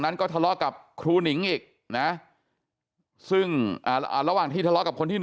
นั้นก็ทะเลาะกับครูหนิงอีกนะซึ่งระหว่างที่ทะเลาะกับคนที่๑